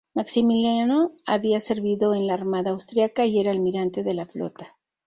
Maximiliano había servido en la armada austriaca y era almirante de la flota.